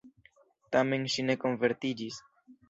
Tamen ŝi ne konvertiĝis.